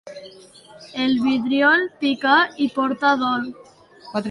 El vidriol, picar i portar dol.